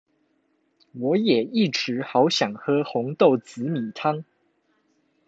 我也一直好想喝紅豆紫米湯